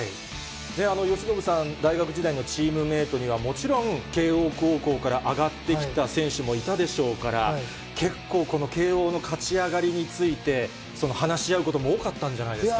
由伸さん、大学時代のチームメートには、もちろん、慶応高校から上がってきた選手もいたでしょうから、結構、この慶応の勝ち上がりについて、話し合うことも多かったんじゃないですか。